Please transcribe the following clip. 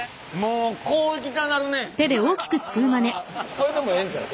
これでもええんちゃう？